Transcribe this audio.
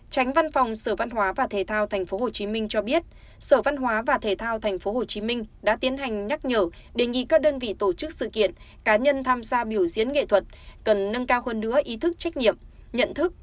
tránh văn phòng sở văn hóa và thể thao tp hcm cho biết sở văn hóa và thể thao tp hcm đã tiến hành nhắc nhở đề nghị các đơn vị tổ chức sự kiện cá nhân tham gia biểu diễn nghệ thuật cần nâng cao hơn nữa ý thức trách nhiệm nhận thức